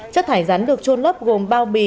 chất thải rắn được trôn lấp gồm bao bì